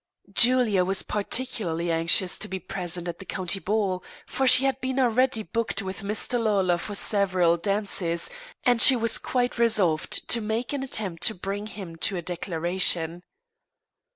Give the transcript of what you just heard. Julia was particularly anxious to be present at the county ball, for she had been already booked by Mr. Lawlor for several dances, and she was quite resolved to make an attempt to bring him to a declaration.